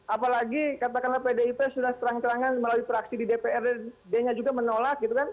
apalagi katakanlah pdip sudah terang terangan melalui praksi di dprd nya juga menolak gitu kan